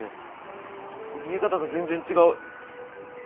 見え方が全然違う。